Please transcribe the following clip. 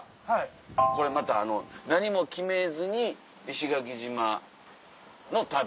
これまた何も決めずに石垣島の旅。